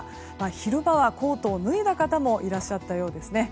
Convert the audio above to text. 昼間はコートを脱いだ方もいらっしゃったようですね。